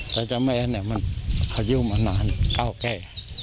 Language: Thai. แต่เจ้าแม่นี่มันเขายุ่งมานานเก่าแก้